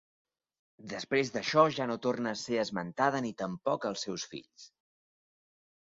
Després d'això ja no torna a ser esmentada ni tampoc els seus fills.